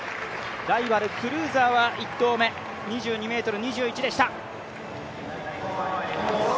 ライバル、クルーザーは１投目、２２ｍ２１でした。